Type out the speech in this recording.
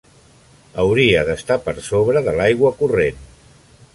Hauria d'estar per sobre de l'aigua corrent.